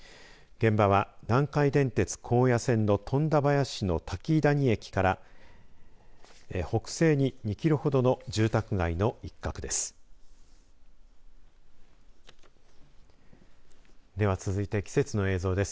現場は南海電鉄高野線の富田林のたきだに駅から北西に２キロほどの住宅街の一角です。